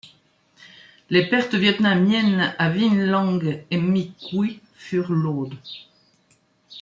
Les pertes vietnamiennes à Vĩnh Long et My Cui furent lourdes.